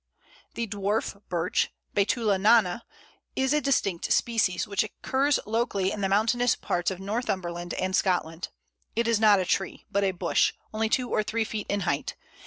The Dwarf Birch (Betula nana) is a distinct species, which occurs locally in the mountainous parts of Northumberland and Scotland. It is not a tree, but a bush, only two or three feet in height.